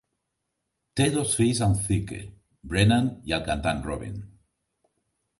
Té dos fills amb Thicke, Brennan i el cantant Robin.